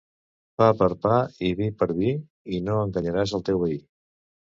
Pa per pa i vi per vi i no enganyaràs el teu veí.